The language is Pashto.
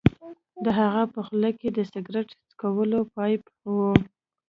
د هغه په خوله کې د سګرټ څکولو پایپ و